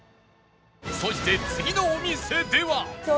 そして次のお店では